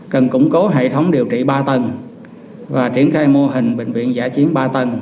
cần củng cố hệ thống điều trị ba tầng và triển khai mô hình bệnh viện giã chiến ba tầng